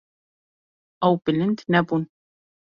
Ew bilind nebûn.